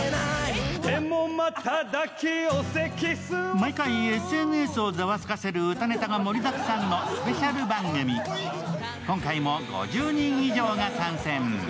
毎回、ＳＮＳをざわつかせる歌ネタが盛りだくさんのスペシャル番組、今回も５０人異常が参戦。